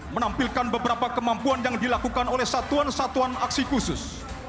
menampilkan beberapa kemampuan yang dilakukan oleh satuan satuan aksi khusus